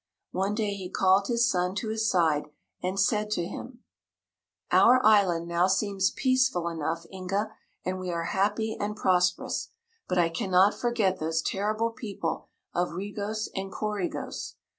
One day he called his son to his side and said to him: "Our island now seems peaceful enough, Inga, and we are happy and prosperous, but I cannot forget those terrible people of Regos and Coregos.